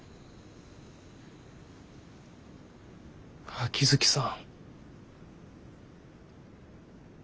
秋月さん。